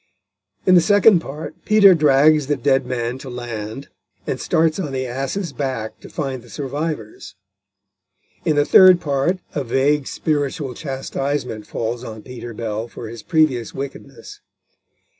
In the second part Peter drags the dead man to land, and starts on the ass's back to find the survivors. In the third part a vague spiritual chastisement falls on Peter Bell for his previous wickedness.